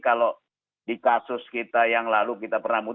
kalau di kasus kita yang lalu kita pernah muncul